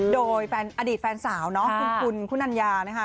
โดยอดีตแฟนสาวเนาะคุณคุณัญญานะคะ